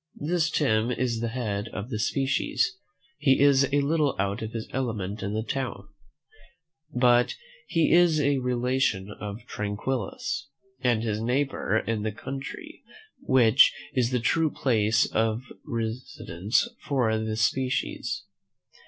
This Tim is the head of a species: he is a little out of his element in this town; but he is a relation of Tranquillus, and his neighbour in the country, which is the true place of residence for this species.